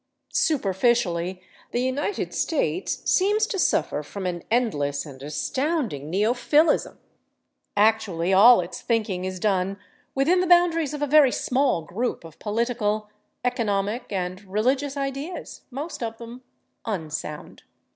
Superficially, the United States seems to suffer from an endless and astounding neophilism; actually all its thinking is done within the boundaries of a very small group of political, economic and religious ideas, most of them unsound.